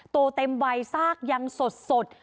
โตเต็มวัยซากยังสด